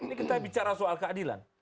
ini kita bicara soal keadilan